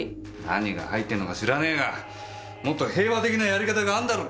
何が入ってんのか知らねえがもっと平和的なやり方があんだろ！